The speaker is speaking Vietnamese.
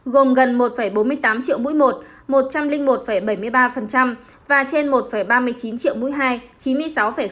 gồm gần một bốn mươi tám triệu mũi một trăm linh một bảy mươi ba và trên một ba mươi chín triệu mũi hai chín mươi sáu